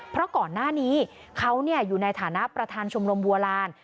เพราะก่อนหน้านี้เขาอยู่ในฐานะประธานชมรมบัวลาน